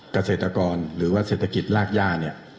เกษตรกรหรือว่าเศรษฐกิจรากย่าเนี่ย